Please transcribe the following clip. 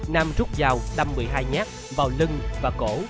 nam rút dao đâm một mươi hai nhát vào lưng và cổ